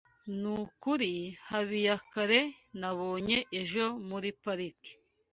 Nukuri Habiyakare nabonye ejo muri parike.